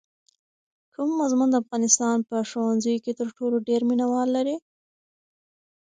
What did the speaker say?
کوم مضمون د افغانستان په ښوونځیو کې تر ټولو ډېر مینه وال لري؟